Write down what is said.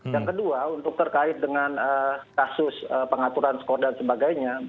yang kedua untuk terkait dengan kasus pengaturan skor dan sebagainya